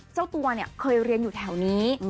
เจ้าตัวเนี่ยเคยเรียนอยู่แถวนี้